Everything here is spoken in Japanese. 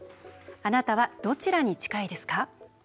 あなたはどちらに近いですか？